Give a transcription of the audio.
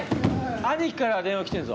兄貴から電話来てるぞ。